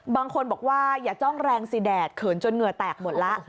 บางคนบอกว่าอย่าจ้องแรงสิแดดเขินจนเหงื่อแตกหมดแล้ว